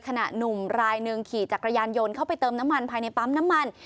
หนุ่มรายหนึ่งขี่จักรยานยนต์เข้าไปเติมน้ำมันภายในปั๊มน้ำมัน